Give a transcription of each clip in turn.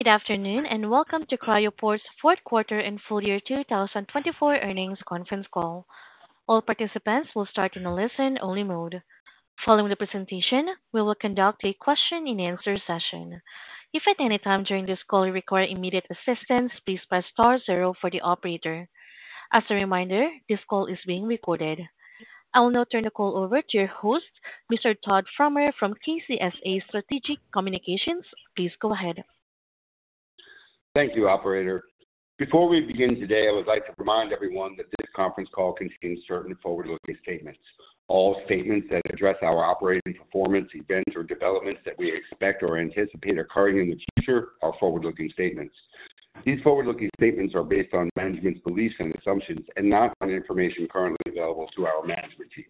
Good afternoon and welcome to Cryoport's Fourth Quarter and Full Year 2024 Earnings Conference Call. All participants will start in a listen-only mode. Following the presentation, we will conduct a question-and-answer session. If at any time during this call you require immediate assistance, please press star zero for the operator. As a reminder, this call is being recorded. I will now turn the call over to your host, Mr. Todd Fromer from KCSA Strategic Communications. Please go ahead. Thank you, Operator. Before we begin today, I would like to remind everyone that this conference call contains certain forward-looking statements. All statements that address our operating performance, events, or developments that we expect or anticipate occurring in the future are forward-looking statements. These forward-looking statements are based on management's beliefs and assumptions and not on information currently available to our management team.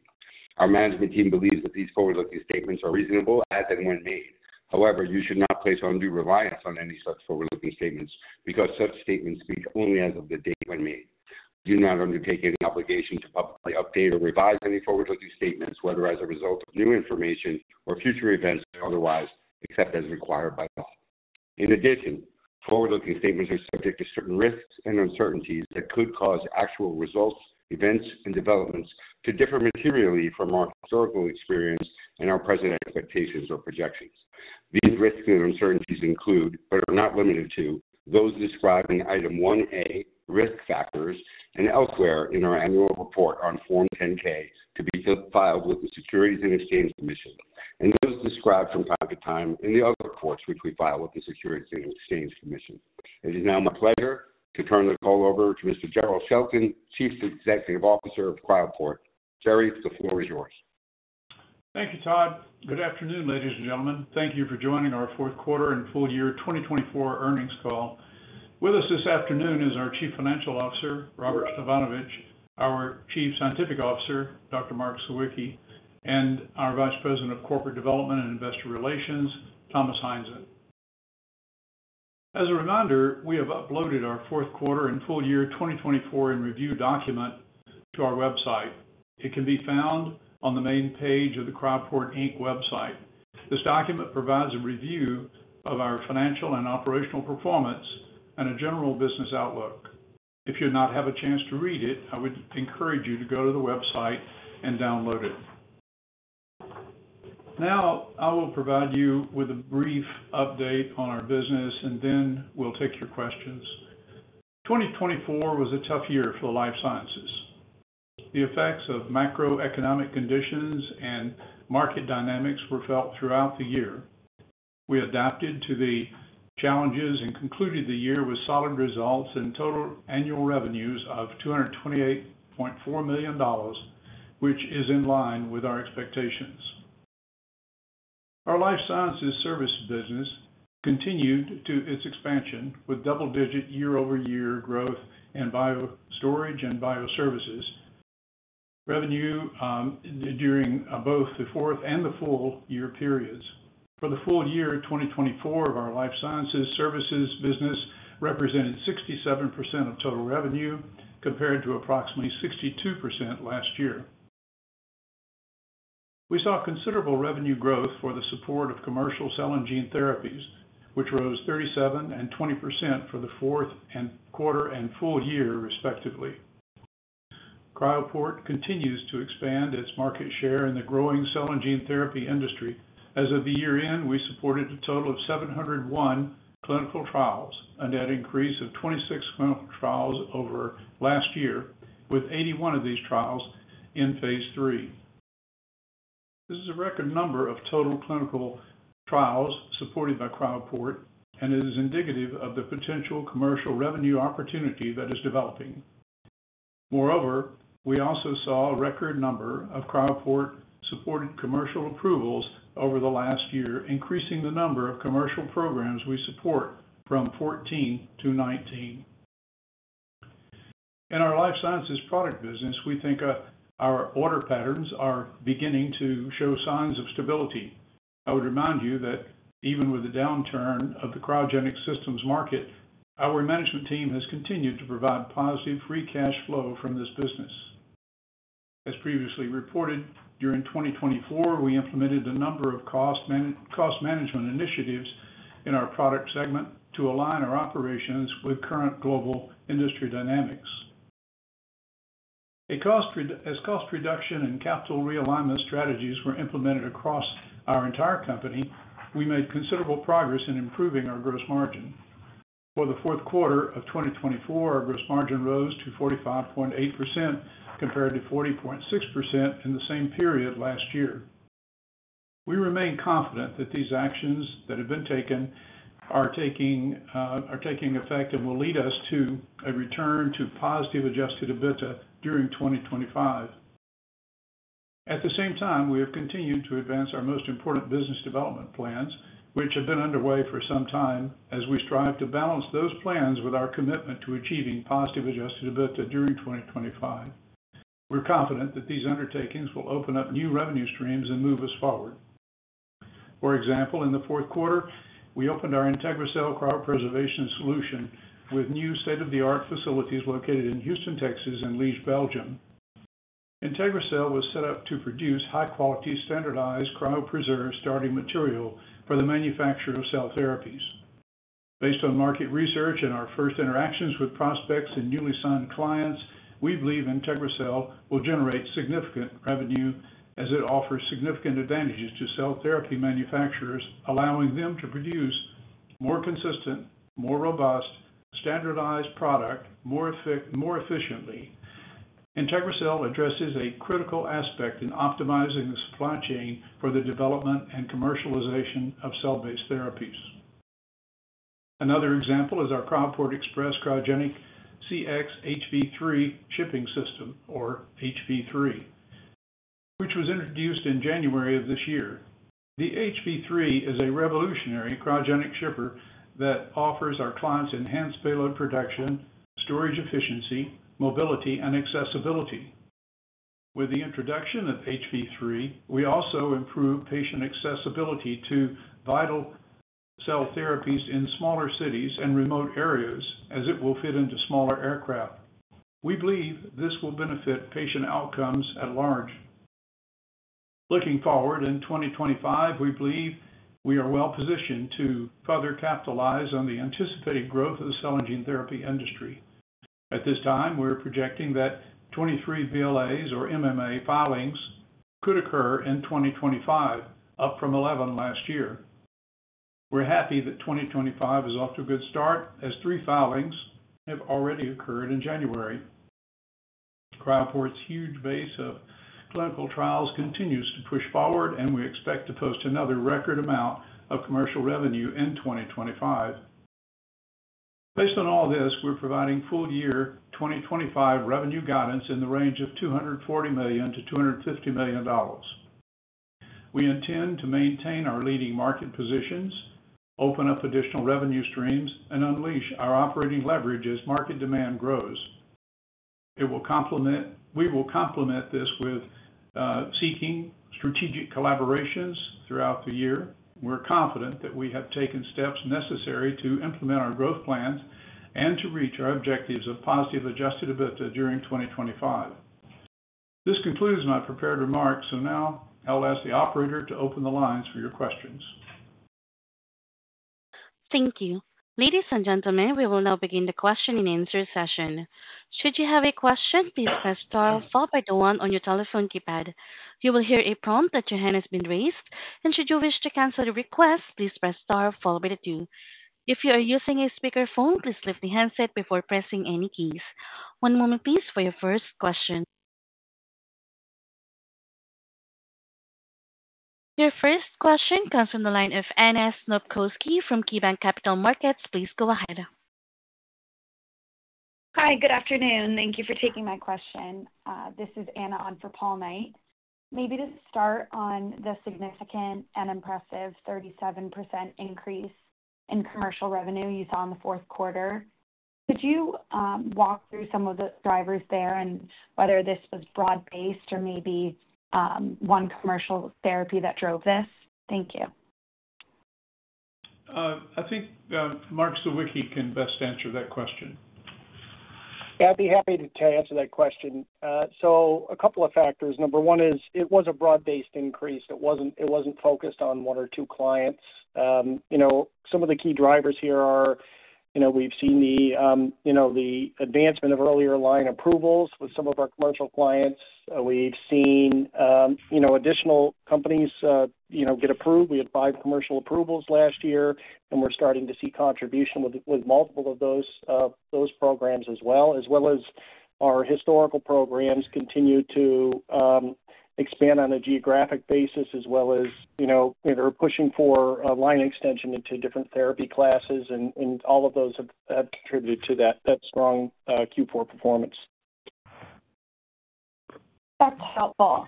Our management team believes that these forward-looking statements are reasonable as and when made. However, you should not place undue reliance on any such forward-looking statements because such statements speak only as of the date when made. Do not undertake any obligation to publicly update or revise any forward-looking statements, whether as a result of new information or future events or otherwise, except as required by law. In addition, forward-looking statements are subject to certain risks and uncertainties that could cause actual results, events, and developments to differ materially from our historical experience and our present expectations or projections. These risks and uncertainties include, but are not limited to, those described in item 1A, risk factors, and elsewhere in our annual report on Form 10-K to be filed with the U.S. Securities and Exchange Commission, and those described from time to time in the other reports which we file with the U.S. Securities and Exchange Commission. It is now my pleasure to turn the call over to Mr. Jerrell Shelton, Chief Executive Officer of Cryoport. Jerry, the floor is yours. Thank you, Todd. Good afternoon, ladies and gentlemen. Thank you for joining our Fourth Quarter and Full Year 2024 Earnings Call. With us this afternoon is our Chief Financial Officer, Robert Stefanovich, our Chief Scientific Officer, Dr. Mark Sawicki, and our Vice President of Corporate Development and Investor Relations, Thomas Heinzen. As a reminder, we have uploaded our Fourth Quarter and Full Year 2024 and Review Document to our website. It can be found on the main page of the Cryoport Inc website. This document provides a review of our financial and operational performance and a general business outlook. If you do not have a chance to read it, I would encourage you to go to the website and download it. Now, I will provide you with a brief update on our business, and then we'll take your questions. 2024 was a tough year for the life sciences. The effects of macroeconomic conditions and market dynamics were felt throughout the year. We adapted to the challenges and concluded the year with solid results and total annual revenues of $228.4 million, which is in line with our expectations. Our life sciences service business continued its expansion with double-digit year-over-year growth in biostorage and bioservices revenue during both the fourth and the full year periods. For the full year 2024, our life sciences services business represented 67% of total revenue compared to approximately 62% last year. We saw considerable revenue growth for the support of commercial cell and gene therapies, which rose 37% and 20% for the fourth quarter and full year, respectively. Cryoport continues to expand its market share in the growing cell and gene therapy industry. As of the year end, we supported a total of 701 clinical trials, a net increase of 26 clinical trials over last year, with 81 of these trials in phase III. This is a record number of total clinical trials supported by Cryoport, and it is indicative of the potential commercial revenue opportunity that is developing. Moreover, we also saw a record number of Cryoport-supported commercial approvals over the last year, increasing the number of commercial programs we support from 14 to 19. In our life sciences product business, we think our order patterns are beginning to show signs of stability. I would remind you that even with the downturn of the cryogenic systems market, our management team has continued to provide positive free cash flow from this business. As previously reported, during 2024, we implemented a number of cost management initiatives in our product segment to align our operations with current global industry dynamics. As cost reduction and capital realignment strategies were implemented across our entire company, we made considerable progress in improving our gross margin. For the fourth quarter of 2024, our gross margin rose to 45.8% compared to 40.6% in the same period last year. We remain confident that these actions that have been taken are taking effect and will lead us to a return to positive adjusted EBITDA during 2025. At the same time, we have continued to advance our most important business development plans, which have been underway for some time, as we strive to balance those plans with our commitment to achieving positive adjusted EBITDA during 2025. We're confident that these undertakings will open up new revenue streams and move us forward. For example, in the fourth quarter, we opened our IntegriCell Cryopreservation Solution with new state-of-the-art facilities located in Houston, Texas, and Liège, Belgium. IntegriCell was set up to produce high-quality standardized cryopreserved starting material for the manufacture of cell therapies. Based on market research and our first interactions with prospects and newly signed clients, we believe IntegriCell will generate significant revenue as it offers significant advantages to cell therapy manufacturers, allowing them to produce more consistent, more robust, standardized products more efficiently. IntegriCell addresses a critical aspect in optimizing the supply chain for the development and commercialization of cell-based therapies. Another example is our Cryoport Express Cryogenic CX HV3 Shipping System, or HV3, which was introduced in January of this year. The HV3 is a revolutionary cryogenic shipper that offers our clients enhanced payload production, storage efficiency, mobility, and accessibility. With the introduction of HV3, we also improve patient accessibility to vital cell therapies in smaller cities and remote areas as it will fit into smaller aircraft. We believe this will benefit patient outcomes at large. Looking forward in 2025, we believe we are well positioned to further capitalize on the anticipated growth of the cell and gene therapy industry. At this time, we're projecting that 23 BLAs, or MMA filings, could occur in 2025, up from 11 last year. We're happy that 2025 is off to a good start as three filings have already occurred in January. Cryoport's huge base of clinical trials continues to push forward, and we expect to post another record amount of commercial revenue in 2025. Based on all this, we're providing full year 2025 revenue guidance in the range of $240 million-$250 million. We intend to maintain our leading market positions, open up additional revenue streams, and unleash our operating leverage as market demand grows. We will complement this with seeking strategic collaborations throughout the year. We're confident that we have taken steps necessary to implement our growth plans and to reach our objectives of positive adjusted EBITDA during 2025. This concludes my prepared remarks, so now I'll ask the Operator to open the lines for your questions. Thank you. Ladies and gentlemen, we will now begin the question and answer session. Should you have a question, please press star followed by the one on your telephone keypad. You will hear a prompt that your hand has been raised, and should you wish to cancel the request, please press star followed by the two. If you are using a speakerphone, please lift the handset before pressing any keys. One moment, please, for your first question. Your first question comes from the line of Anna Snopkowski from KeyBanc Capital Markets. Please go ahead. Hi, good afternoon. Thank you for taking my question. This is Anna on for Paul Knight. Maybe to start on the significant and impressive 37% increase in commercial revenue you saw in the fourth quarter, could you walk through some of the drivers there and whether this was broad-based or maybe one commercial therapy that drove this? Thank you. I think Mark Sawicki can best answer that question. Yeah, I'd be happy to answer that question. A couple of factors. Number one is it was a broad-based increase. It wasn't focused on one or two clients. Some of the key drivers here are we've seen the advancement of earlier line approvals with some of our commercial clients. We've seen additional companies get approved. We had five commercial approvals last year, and we're starting to see contribution with multiple of those programs as well, as well as our historical programs continue to expand on a geographic basis, as well as they're pushing for line extension into different therapy classes, and all of those have contributed to that strong Q4 performance. That's helpful.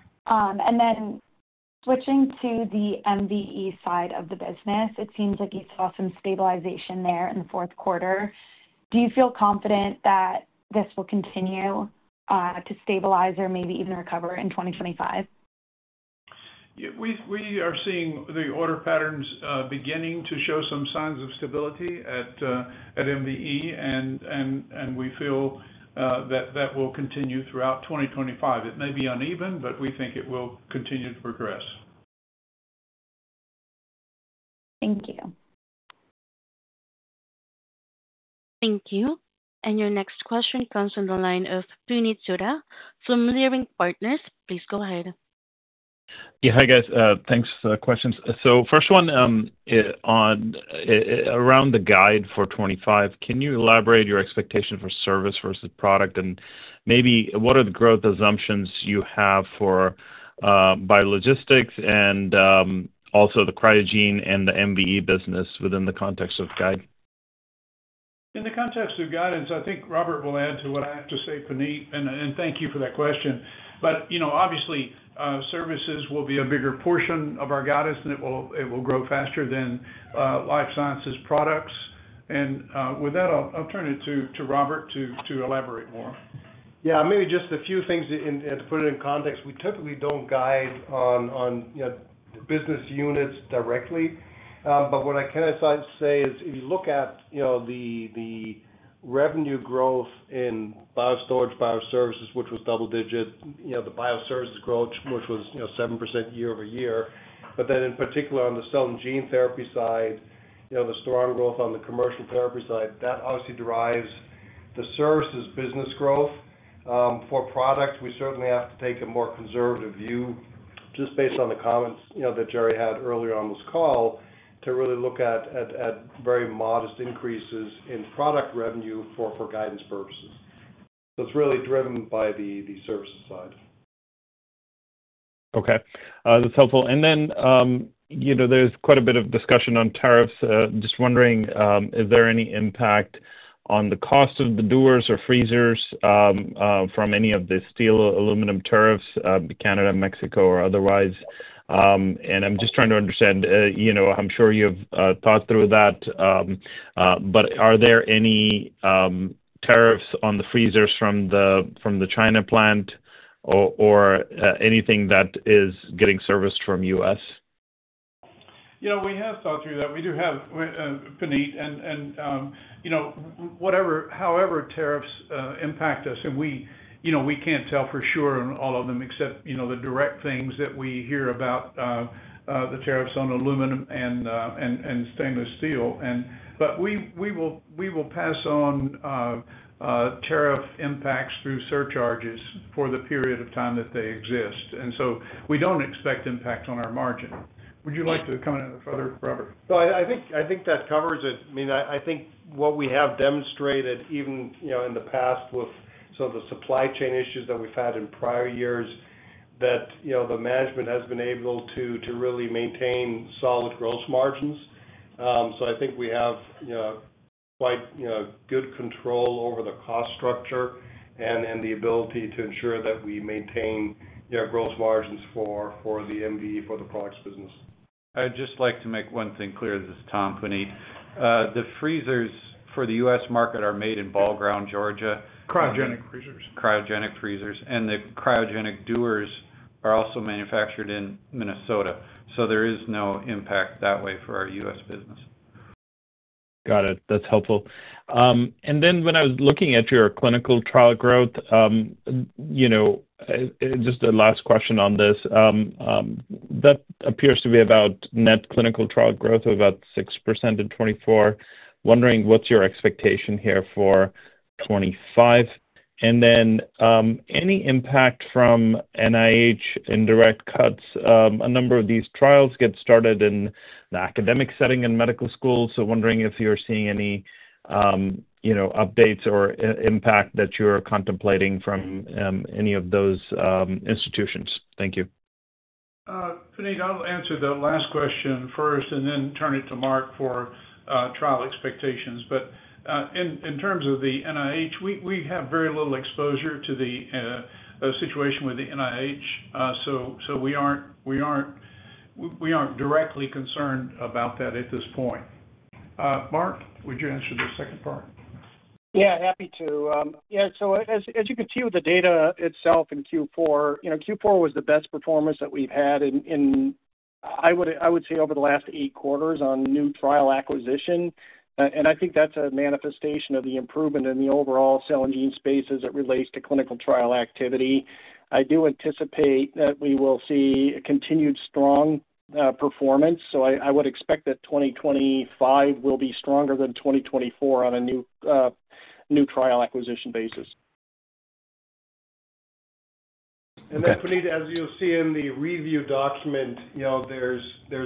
Switching to the MVE side of the business, it seems like you saw some stabilization there in the fourth quarter. Do you feel confident that this will continue to stabilize or maybe even recover in 2025? We are seeing the order patterns beginning to show some signs of stability at MVE, and we feel that that will continue throughout 2025. It may be uneven, but we think it will continue to progress. Thank you. Thank you. Your next question comes from the line of Puneet from Leerink Partners. Please go ahead. Yeah, hi guys. Thanks for the questions. First one around the guide for 2025, can you elaborate your expectation for service versus product, and maybe what are the growth assumptions you have by logistics and also the CRYOGENE and the MVE business within the context of guide? In the context of guidance, I think Robert will add to what I have to say, Puneet, and thank you for that question. Obviously, services will be a bigger portion of our guidance, and it will grow faster than life sciences products. With that, I'll turn it to Robert to elaborate more. Yeah, maybe just a few things to put it in context. We typically do not guide on business units directly. What I can say is if you look at the revenue growth in biostorage bioservices, which was double-digit, the bioservices growth, which was 7% year-over-year. In particular, on the cell and gene therapy side, the strong growth on the commercial therapy side, that obviously drives the services business growth. For products, we certainly have to take a more conservative view just based on the comments that Jerry had earlier on this call to really look at very modest increases in product revenue for guidance purposes. It is really driven by the services side. Okay. That's helpful. There is quite a bit of discussion on tariffs. Just wondering, is there any impact on the cost of the doors or freezers from any of the steel aluminum tariffs, Canada, Mexico, or otherwise? I'm just trying to understand. I'm sure you've thought through that. Are there any tariffs on the freezers from the China plant or anything that is getting serviced from the U.S.? Yeah, we have thought through that. We do have, Puneet, and however tariffs impact us, and we can't tell for sure on all of them except the direct things that we hear about the tariffs on aluminum and stainless steel. We will pass on tariff impacts through surcharges for the period of time that they exist. We don't expect impact on our margin. Would you like to come in further, Robert? I think that covers it. I mean, I think what we have demonstrated even in the past with some of the supply chain issues that we've had in prior years that the management has been able to really maintain solid gross margins. I think we have quite good control over the cost structure and the ability to ensure that we maintain gross margins for the MVE, for the products business. I'd just like to make one thing clear. This is Puneet. The freezers for the U.S. market are made in Ball Ground, Georgia. Cryogenic freezers. Cryogenic freezers. The cryogenic doors are also manufactured in Minnesota. There is no impact that way for our U.S. business. Got it. That's helpful. When I was looking at your clinical trial growth, just a last question on this. That appears to be about net clinical trial growth of about 6% in 2024. Wondering what's your expectation here for 2025? Any impact from NIH indirect cuts? A number of these trials get started in the academic setting in medical schools. Wondering if you're seeing any updates or impact that you're contemplating from any of those institutions. Thank you. Puneet, I'll answer the last question first and then turn it to Mark for trial expectations. In terms of the NIH, we have very little exposure to the situation with the NIH. We are not directly concerned about that at this point. Mark, would you answer the second part? Yeah, happy to. Yeah. As you can see with the data itself in Q4, Q4 was the best performance that we've had in, I would say, over the last eight quarters on new trial acquisition. I think that's a manifestation of the improvement in the overall cell and gene spaces as it relates to clinical trial activity. I do anticipate that we will see continued strong performance. I would expect that 2025 will be stronger than 2024 on a new trial acquisition basis. Puneet, as you'll see in the review document, there's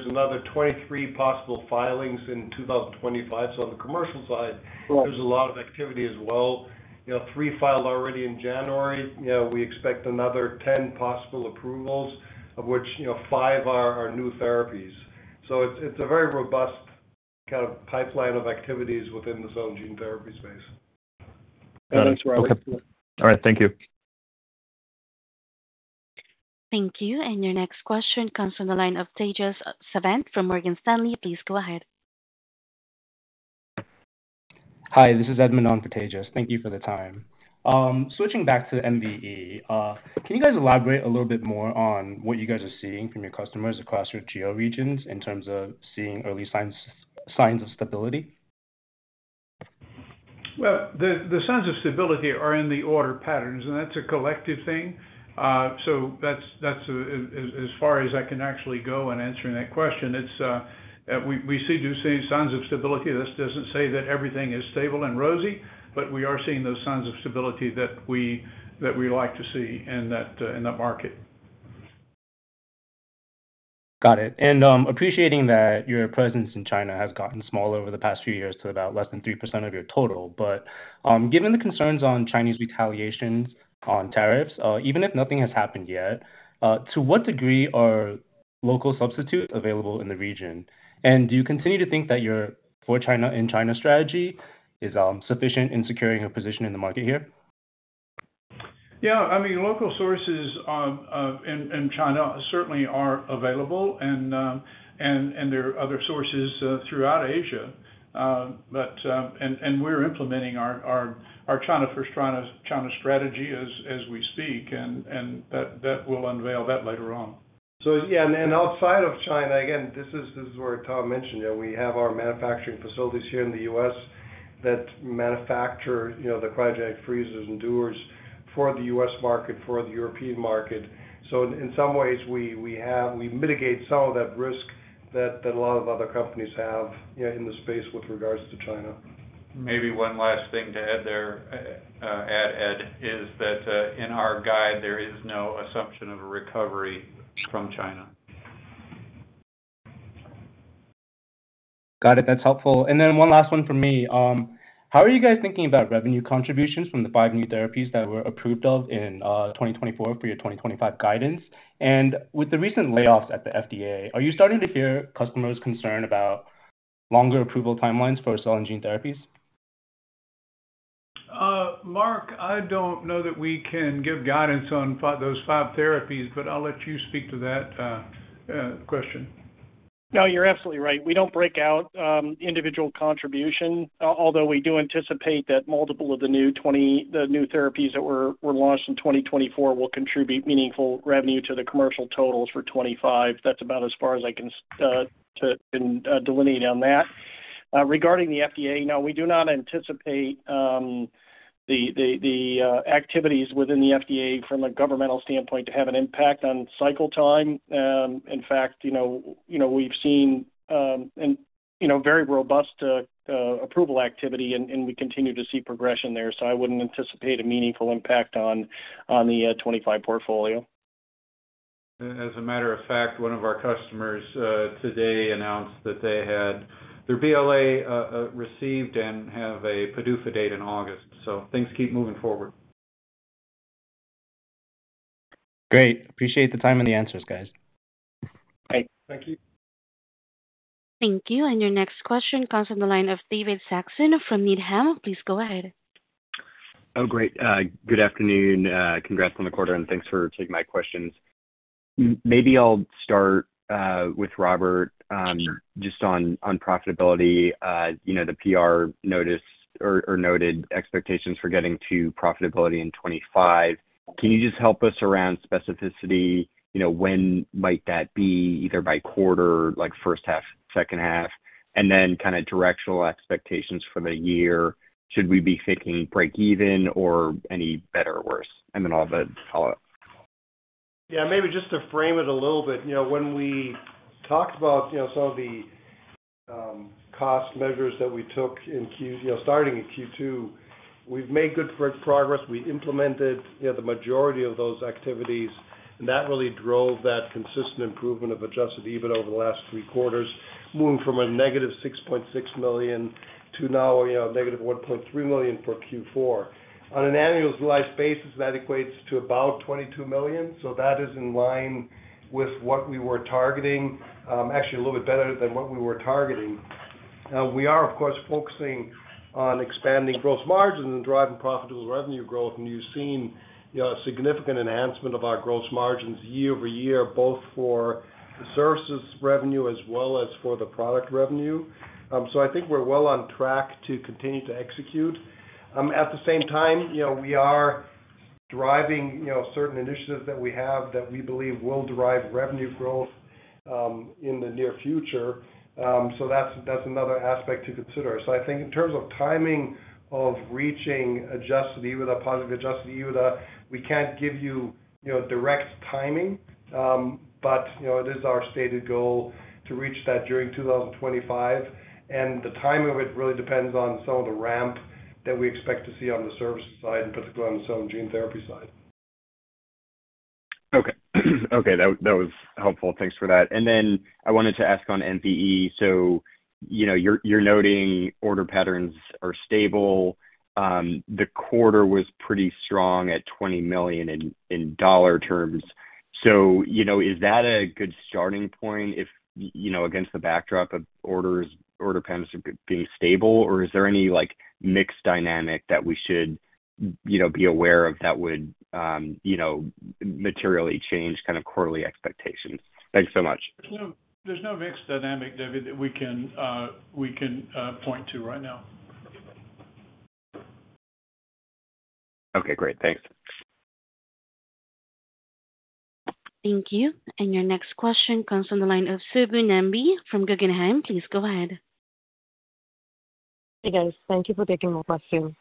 another 23 possible filings in 2025. On the commercial side, there's a lot of activity as well. Three filed already in January. We expect another 10 possible approvals, of which five are new therapies. It's a very robust kind of pipeline of activities within the cell and gene therapy space. That's where I would. All right. Thank you. Thank you. Your next question comes from the line of Tejas Savant from Morgan Stanley. Please go ahead. Hi, this is Edmond on for Tejas. Thank you for the time. Switching back to MVE, can you guys elaborate a little bit more on what you guys are seeing from your customers across your geo regions in terms of seeing early signs of stability? The signs of stability are in the order patterns, and that's a collective thing. So as far as I can actually go in answering that question, we see signs of stability. This doesn't say that everything is stable and rosy, but we are seeing those signs of stability that we like to see in that market. Got it. Appreciating that your presence in China has gotten smaller over the past few years to about less than 3% of your total. Given the concerns on Chinese retaliations on tariffs, even if nothing has happened yet, to what degree are local substitutes available in the region? Do you continue to think that your in-China strategy is sufficient in securing a position in the market here? Yeah. I mean, local sources in China certainly are available, and there are other sources throughout Asia. We are implementing our China-first China strategy as we speak, and we will unveil that later on. Yeah, and outside of China, again, this is where Tom mentioned. We have our manufacturing facilities here in the U.S. that manufacture the cryogenic freezers and doors for the U.S. market, for the European market. In some ways, we mitigate some of that risk that a lot of other companies have in the space with regards to China. Maybe one last thing to add there, Ed, is that in our guide, there is no assumption of a recovery from China. Got it. That's helpful. One last one for me. How are you guys thinking about revenue contributions from the five new therapies that were approved in 2024 for your 2025 guidance? With the recent layoffs at the FDA, are you starting to hear customers' concern about longer approval timelines for cell and gene therapies? Mark, I don't know that we can give guidance on those five therapies, but I'll let you speak to that question. No, you're absolutely right. We don't break out individual contribution, although we do anticipate that multiple of the new therapies that were launched in 2024 will contribute meaningful revenue to the commercial totals for 2025. That's about as far as I can delineate on that. Regarding the FDA, now, we do not anticipate the activities within the FDA from a governmental standpoint to have an impact on cycle time. In fact, we've seen very robust approval activity, and we continue to see progression there. I wouldn't anticipate a meaningful impact on the 2025 portfolio. As a matter of fact, one of our customers today announced that their BLA received and have a PDUFA date in August. Things keep moving forward. Great. Appreciate the time and the answers, guys. Thank you. Thank you. Your next question comes from the line of David Saxon from Needham. Please go ahead. Oh, great. Good afternoon. Congrats on the quarter, and thanks for taking my questions. Maybe I'll start with Robert just on profitability, the PR noticed or noted expectations for getting to profitability in 2025. Can you just help us around specificity? When might that be? Either by quarter, like first half, second half, and then kind of directional expectations for the year? Should we be thinking break even or any better or worse? And then I'll follow up. Yeah. Maybe just to frame it a little bit, when we talked about some of the cost measures that we took starting in Q2, we've made good progress. We implemented the majority of those activities, and that really drove that consistent improvement of adjusted EBITDA over the last three quarters, moving from a -$6.6 million to now a -$1.3 million for Q4. On an annualized basis, that equates to about $22 million. That is in line with what we were targeting, actually a little bit better than what we were targeting. We are, of course, focusing on expanding gross margins and driving profitable revenue growth. You have seen a significant enhancement of our gross margins year over year, both for the services revenue as well as for the product revenue. I think we're well on track to continue to execute. At the same time, we are driving certain initiatives that we have that we believe will drive revenue growth in the near future. That is another aspect to consider. I think in terms of timing of reaching adjusted EBITDA, positive adjusted EBITDA, we can't give you direct timing, but it is our stated goal to reach that during 2025. The timing of it really depends on some of the ramp that we expect to see on the services side, in particular on the cell and gene therapy side. Okay. Okay. That was helpful. Thanks for that. I wanted to ask on MVE. You're noting order patterns are stable. The quarter was pretty strong at $20 million in dollar terms. Is that a good starting point against the backdrop of order patterns being stable? Is there any mixed dynamic that we should be aware of that would materially change kind of quarterly expectations? Thanks so much. There's no mixed dynamic that we can point to right now. Okay. Great. Thanks. Thank you. Your next question comes from the line of Subbu Nambi from Guggenheim. Please go ahead. Hey, guys. Thank you for taking my question.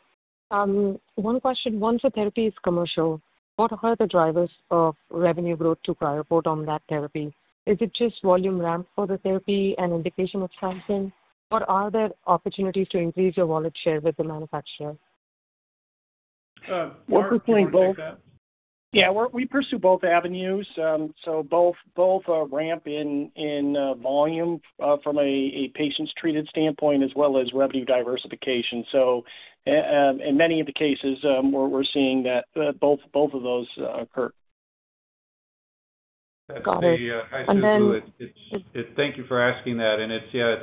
One question. Once a therapy is commercial, what are the drivers of revenue growth to Cryoport on that therapy? Is it just volume ramp for the therapy and indication of something? Or are there opportunities to increase your wallet share with the manufacturer? We pursue both. Yeah. We pursue both avenues. Both ramp in volume from a patient's treated standpoint as well as revenue diversification. In many of the cases, we're seeing that both of those occur. Got it. Thank you for asking that. Yeah,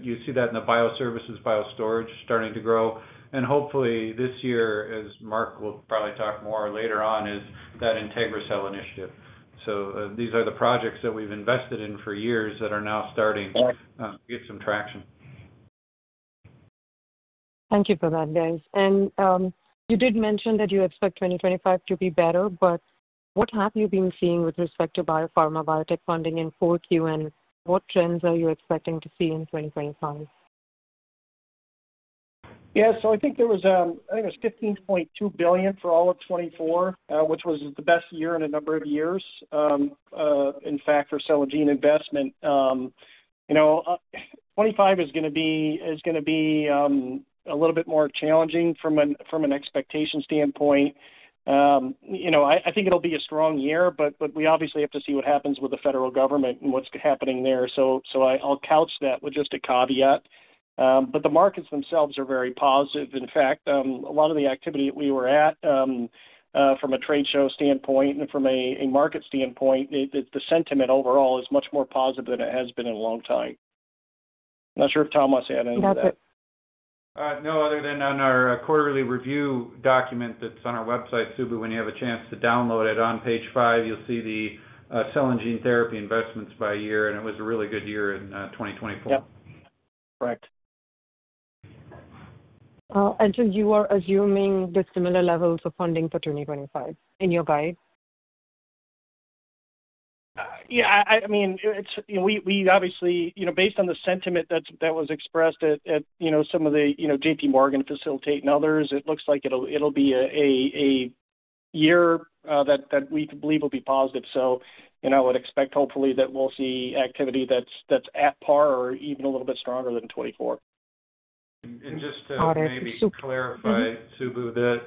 you see that in the Bioservices, Biostorage starting to grow. Hopefully, this year, as Mark will probably talk more later on, is that IntegriCell initiative. These are the projects that we've invested in for years that are now starting to get some traction. Thank you for that, guys. You did mention that you expect 2025 to be better, but what have you been seeing with respect to biopharma biotech funding in 2024? What trends are you expecting to see in 2025? Yeah. I think it was $15.2 billion for all of 2024, which was the best year in a number of years. In fact, for cell and gene investment, 2025 is going to be a little bit more challenging from an expectation standpoint. I think it'll be a strong year, but we obviously have to see what happens with the federal government and what's happening there. I will couch that with just a caveat. The markets themselves are very positive. In fact, a lot of the activity that we were at from a trade show standpoint and from a market standpoint, the sentiment overall is much more positive than it has been in a long time. Not s``ure if Tom wants to add anything to that. No, other than on our quarterly review document that is on our website, Subbu, when you have a chance to download it on page five, you will see the cell and gene therapy investments by year. It was a really good year in 2024. Yep. Correct. Are you assuming the similar levels of funding for 2025 in your guide? Yeah. I mean, we obviously, based on the sentiment that was expressed at some of the JPMorgan, Facilitate, and others, it looks like it'll be a year that we believe will be positive. I would expect, hopefully, that we'll see activity that's at par or even a little bit stronger than 2024. Just to maybe clarify, Subbu, that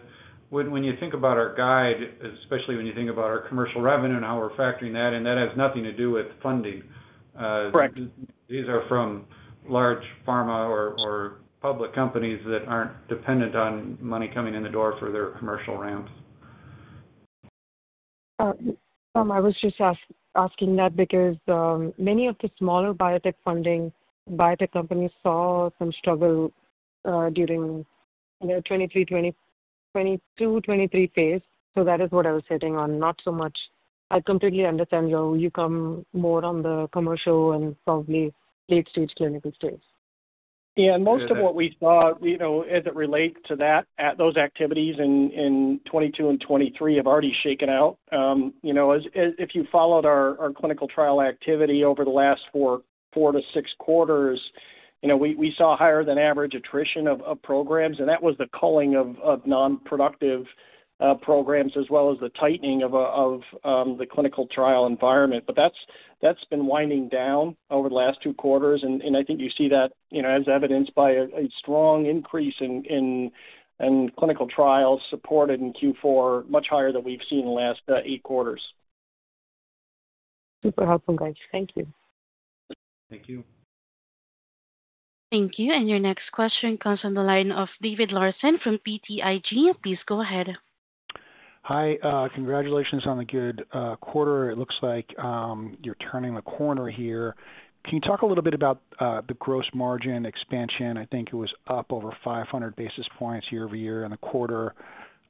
when you think about our guide, especially when you think about our commercial revenue and how we're factoring that, that has nothing to do with funding. These are from large pharma or public companies that aren't dependent on money coming in the door for their commercial ramps. I was just asking that because many of the smaller biotech funding biotech companies saw some struggle during the 2022, 2023 phase. That is what I was hitting on, not so much. I completely understand you come more on the commercial and probably late-stage clinical stage. Yeah. Most of what we saw as it relates to that, those activities in 2022 and 2023 have already shaken out. If you followed our clinical trial activity over the last four to six quarters, we saw higher than average attrition of programs. That was the culling of nonproductive programs as well as the tightening of the clinical trial environment. That has been winding down over the last two quarters. I think you see that as evidenced by a strong increase in clinical trials supported in Q4, much higher than we've seen in the last eight quarters. Super helpful, guys. Thank you. Thank you. Thank you. Your next question comes from the line of David Larsen from BTIG. Please go ahead. Hi. Congratulations on the good quarter. It looks like you're turning the corner here. Can you talk a little bit about the gross margin expansion? I think it was up over 500 basis points year over year in the quarter,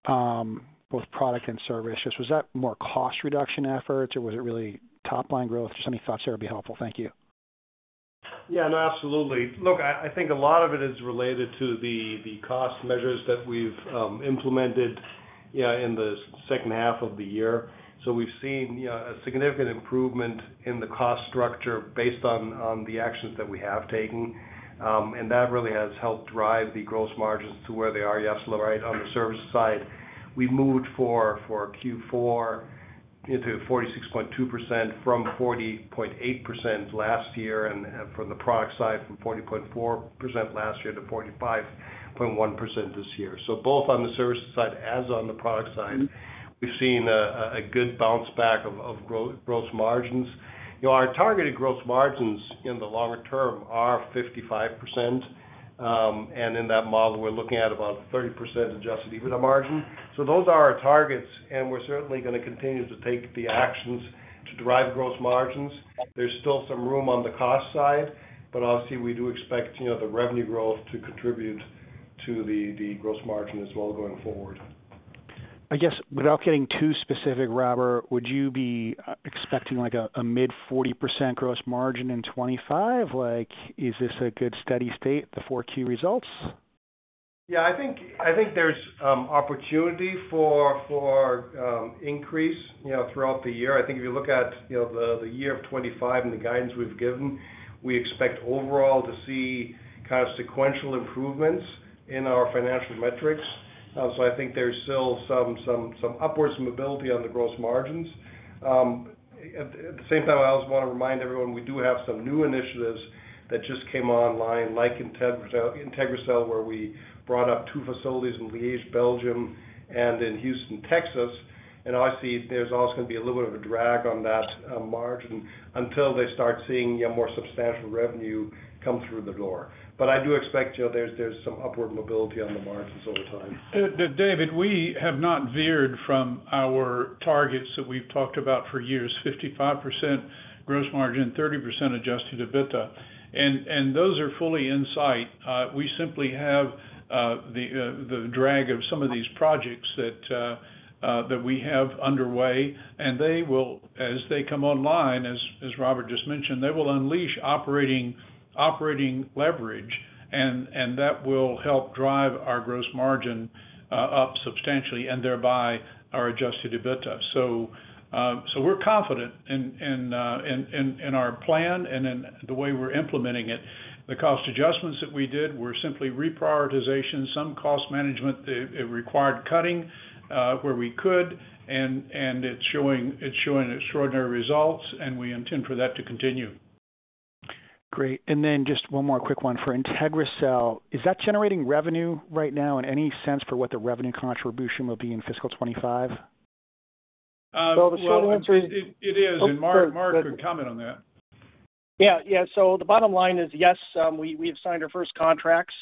both product and service. Was that more cost reduction efforts, or was it really top-line growth? Just any thoughts that would be helpful. Thank you. Yeah. No, absolutely. Look, I think a lot of it is related to the cost measures that we've implemented in the second half of the year. We've seen a significant improvement in the cost structure based on the actions that we have taken. That really has helped drive the gross margins to where they are yesterday, right? On the service side, we moved for Q4 to 46.2% from 40.8% last year and from the product side from 40.4% last year to 45.1% this year. Both on the service side as on the product side, we've seen a good bounce back of gross margins. Our targeted gross margins in the longer term are 55%. In that model, we're looking at about 30% adjusted EBITDA margin. Those are our targets. We're certainly going to continue to take the actions to drive gross margins. There's still some room on the cost side, but obviously, we do expect the revenue growth to contribute to the gross margin as well going forward. I guess without getting too specific, Robert, would you be expecting a mid 40% gross margin in 2025? Is this a good steady state, the Q4 results? Yeah. I think there's opportunity for increase throughout the year. I think if you look at the year of 2025 and the guidance we've given, we expect overall to see kind of sequential improvements in our financial metrics. I think there's still some upward mobility on the gross margins. At the same time, I also want to remind everyone we do have some new initiatives that just came online, like IntegriCell, where we brought up two facilities in Liège, Belgium, and in Houston, Texas. Obviously, there's always going to be a little bit of a drag on that margin until they start seeing more substantial revenue come through the door. I do expect there's some upward mobility on the margins over time. David, we have not veered from our targets that we've talked about for years: 55% gross margin, 30% adjusted EBITDA. Those are fully in sight. We simply have the drag of some of these projects that we have underway. As they come online, as Robert just mentioned, they will unleash operating leverage, and that will help drive our gross margin up substantially and thereby our adjusted EBITDA. We are confident in our plan and in the way we're implementing it. The cost adjustments that we did were simply reprioritization, some cost management that required cutting where we could, and it's showing extraordinary results, and we intend for that to continue. Great. Just one more quick one for IntegriCell. Is that generating revenue right now in any sense for what the revenue contribution will be in fiscal 2025? The short answer is. It is. Mark could comment on that. Yeah. Yeah. The bottom line is, yes, we have signed our first contracts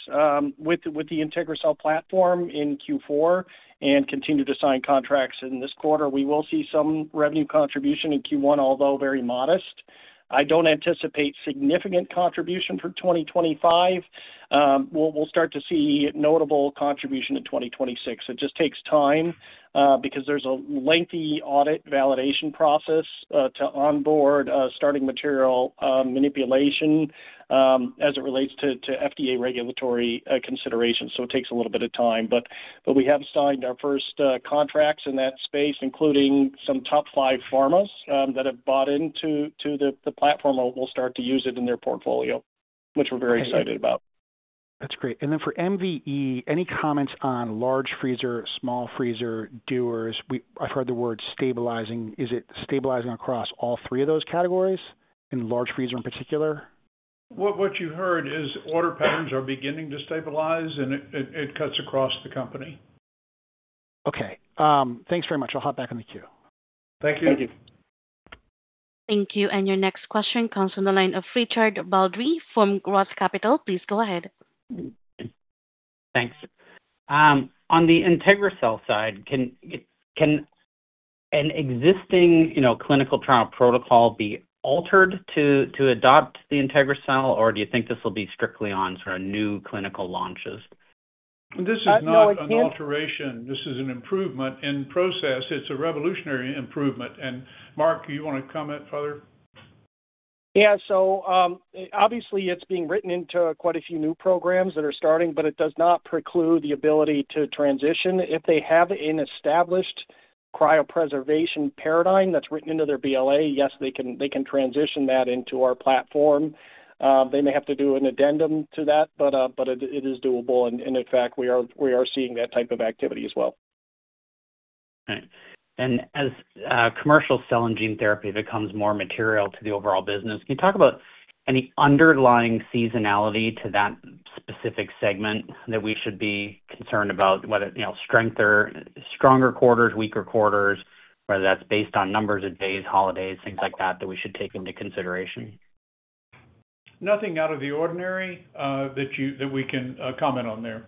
with the IntegriCell platform in Q4 and continue to sign contracts in this quarter. We will see some revenue contribution in Q1, although very modest. I do not anticipate significant contribution for 2025. We will start to see notable contribution in 2026. It just takes time because there is a lengthy audit validation process to onboard starting material manipulation as it relates to FDA regulatory considerations. It takes a little bit of time. We have signed our first contracts in that space, including some top five pharmas that have bought into the platform or will start to use it in their portfolio, which we are very excited about. That's great. For MVE, any comments on large freezer, small freezer, doers? I've heard the word stabilizing. Is it stabilizing across all three of those categories and large freezer in particular? What you heard is order patterns are beginning to stabilize, and it cuts across the company. Okay. Thanks very much. I'll hop back on the queue. Thank you. Thank you. Thank you. Your next question comes from the line of Richard Baldry from Roth Capital. Please go ahead. Thanks. On the IntegriCell side, can an existing clinical trial protocol be altered to adopt the IntegriCell, or do you think this will be strictly on sort of new clinical launches? This is not an alteration. This is an improvement in process. It's a revolutionary improvement. Mark, you want to comment further? Yeah. Obviously, it's being written into quite a few new programs that are starting, but it does not preclude the ability to transition. If they have an established cryopreservation paradigm that's written into their BLA, yes, they can transition that into our platform. They may have to do an addendum to that, but it is doable. In fact, we are seeing that type of activity as well. Okay. As commercial cell and gene therapy becomes more material to the overall business, can you talk about any underlying seasonality to that specific segment that we should be concerned about, whether strength or stronger quarters, weaker quarters, whether that's based on numbers of days, holidays, things like that that we should take into consideration? Nothing out of the ordinary that we can comment on there.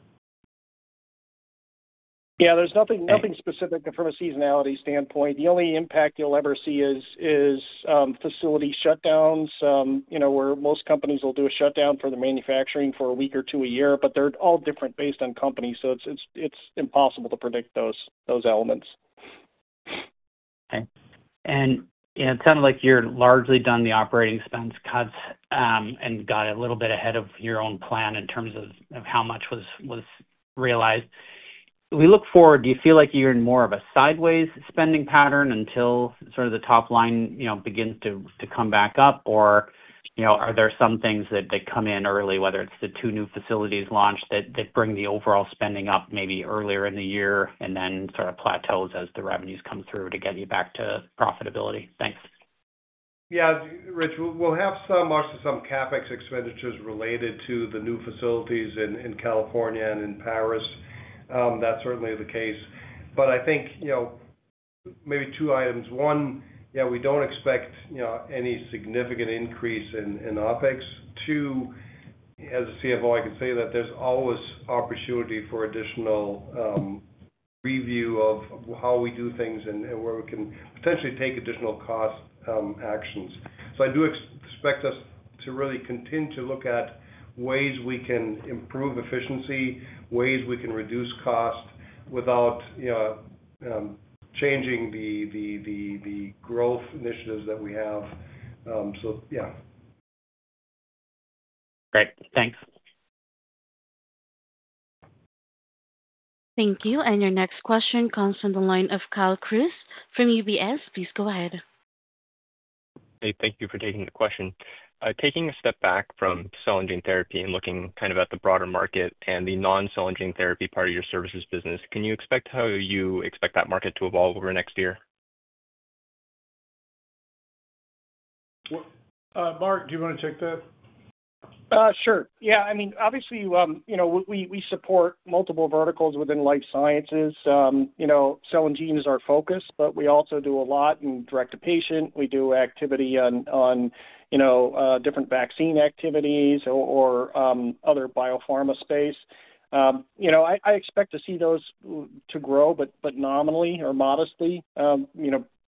Yeah. There's nothing specific from a seasonality standpoint. The only impact you'll ever see is facility shutdowns where most companies will do a shutdown for the manufacturing for a week or two a year, but they're all different based on company. It's impossible to predict those elements. Okay. It sounded like you're largely done the operating expense cuts and got a little bit ahead of your own plan in terms of how much was realized. We look forward, do you feel like you're in more of a sideways spending pattern until sort of the top line begins to come back up, or are there some things that come in early, whether it's the two new facilities launched that bring the overall spending up maybe earlier in the year and then sort of plateaus as the revenues come through to get you back to profitability? Thanks. Yeah. Rich, we'll have some CapEx expenditures related to the new facilities in California and in Paris. That's certainly the case. I think maybe two items. One, yeah, we don't expect any significant increase in OpEx. Two, as a CFO, I can say that there's always opportunity for additional review of how we do things and where we can potentially take additional cost actions. I do expect us to really continue to look at ways we can improve efficiency, ways we can reduce cost without changing the growth initiatives that we have. Yeah. Great. Thanks. Thank you. Your next question comes from the line of Kyle Crews from UBS. Please go ahead. Hey, thank you for taking the question. Taking a step back from cell and gene therapy and looking kind of at the broader market and the non-cell and gene therapy part of your services business, can you expect how you expect that market to evolve over next year? Mark, do you want to take that? Sure. Yeah. I mean, obviously, we support multiple verticals within life sciences. Cell and gene are focused, but we also do a lot in direct-to-patient. We do activity on different vaccine activities or other biopharma space. I expect to see those to grow, but nominally or modestly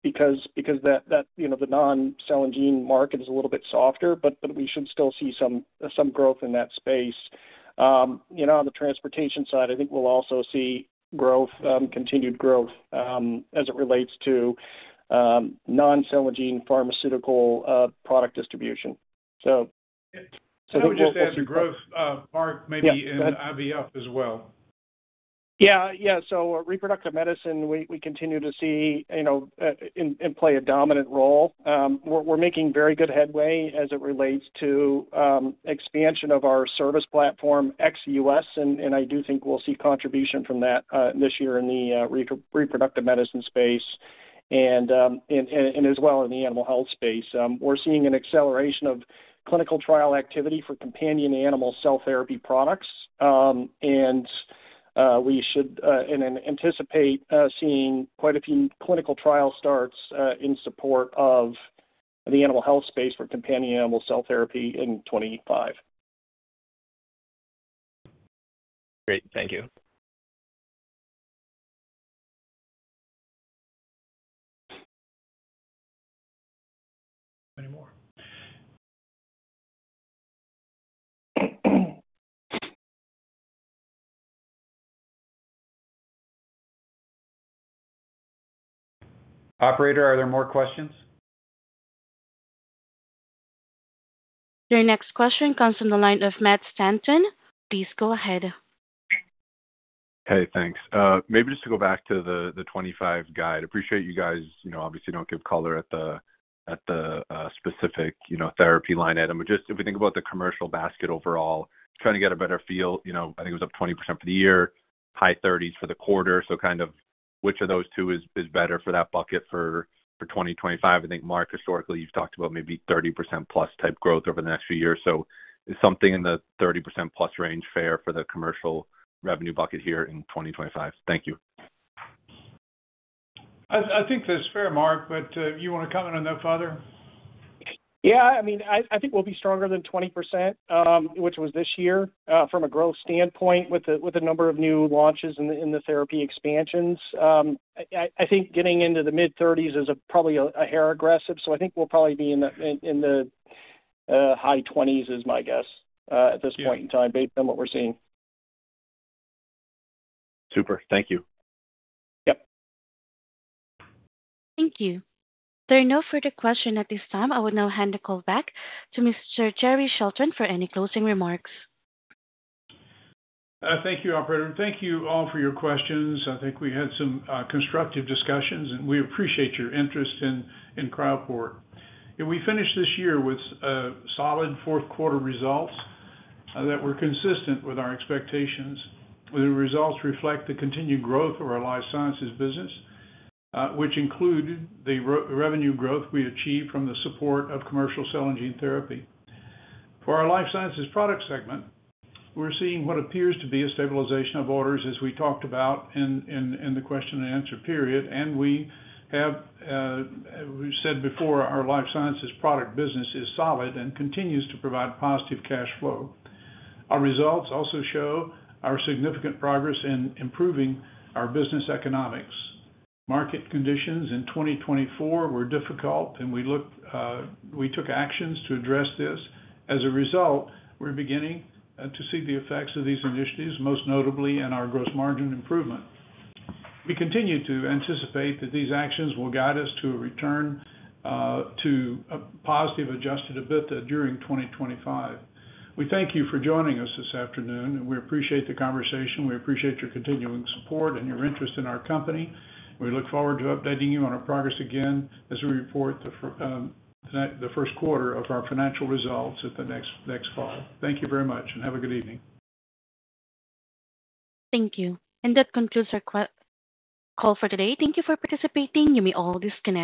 because the non-cell and gene market is a little bit softer, but we should still see some growth in that space. On the transportation side, I think we'll also see growth, continued growth as it relates to non-cell and gene pharmaceutical product distribution. That would just. That would just add to growth, Mark, maybe in IVF as well. Yeah. Yeah. Reproductive medicine, we continue to see and play a dominant role. We're making very good headway as it relates to expansion of our service platform, ex-U.S. I do think we'll see contribution from that this year in the reproductive medicine space and as well in the animal health space. We're seeing an acceleration of clinical trial activity for companion animal cell therapy products. We should anticipate seeing quite a few clinical trial starts in support of the animal health space for companion animal cell therapy in 2025. Great. Thank you. Any more? Operator, are there more questions? Your next question comes from the line of Matt Stanton. Please go ahead. Hey, thanks. Maybe just to go back to the 2025 guide. Appreciate you guys obviously don't give color at the specific therapy line item, but just if we think about the commercial basket overall, trying to get a better feel. I think it was up 20% for the year, high 30s for the quarter. Kind of which of those two is better for that bucket for 2025? I think, Mark, historically, you've talked about maybe 30% plus type growth over the next few years. Is something in the 30% plus range fair for the commercial revenue bucket here in 2025? Thank you. I think that's fair, Mark, but you want to comment on that, Father? Yeah. I mean, I think we'll be stronger than 20%, which was this year from a growth standpoint with a number of new launches in the therapy expansions. I think getting into the mid 30% is probably a hair aggressive. So I think we'll probably be in the high 20% is my guess at this point in time based on what we're seeing. Super. Thank you. Yep. Thank you. If there are no further questions at this time, I will now hand the call back to Mr. Jerrell Shelton for any closing remarks. Thank you, Operator. Thank you all for your questions. I think we had some constructive discussions, and we appreciate your interest in Cryoport. We finished this year with solid fourth-quarter results that were consistent with our expectations, where the results reflect the continued growth of our life sciences business, which included the revenue growth we achieved from the support of commercial cell and gene therapy. For our life sciences product segment, we're seeing what appears to be a stabilization of orders, as we talked about in the question and answer period. We have said before, our life sciences product business is solid and continues to provide positive cash flow. Our results also show our significant progress in improving our business economics. Market conditions in 2024 were difficult, and we took actions to address this. As a result, we're beginning to see the effects of these initiatives, most notably in our gross margin improvement. We continue to anticipate that these actions will guide us to a return to positive adjusted EBITDA during 2025. We thank you for joining us this afternoon, and we appreciate the conversation. We appreciate your continuing support and your interest in our company. We look forward to updating you on our progress again as we report the first quarter of our financial results at the next call. Thank you very much, and have a good evening. Thank you. That concludes our call for today. Thank you for participating. You may all disconnect.